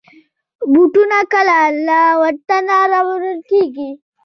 بوټونه کله له وطنه راوړل کېږي.